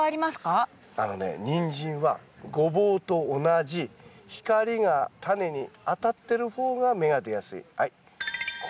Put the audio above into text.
あのねニンジンはゴボウと同じ光がタネに当たってる方が芽が出やすい。